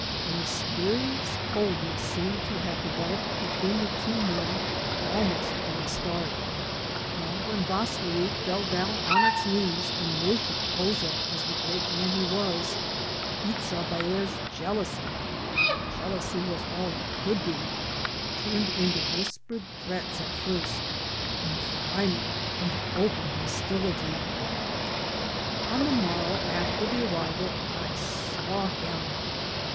A mysterious coldness seemed to have developed between the two men almost from the start; and when Vaslui fell down on its knees aiid worshiped Couza as the great man he was, Itza Baer's jealousy — ^for jealousy was all it could be — ^turned into whispered threats at first, and finally into open hostility. On the morrow after the arrival I saw him.